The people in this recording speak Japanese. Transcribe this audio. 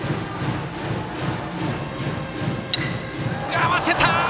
合わせた！